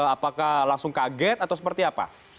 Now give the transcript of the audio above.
apakah langsung kaget atau seperti apa